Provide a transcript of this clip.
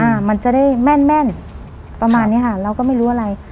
มันจะได้แม่นแม่นประมาณเนี้ยค่ะเราก็ไม่รู้อะไร